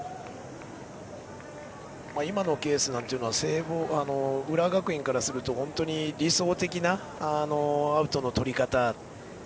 今のケースは浦和学院からすると本当に理想的なアウトのとり方で。